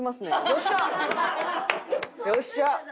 よっしゃ！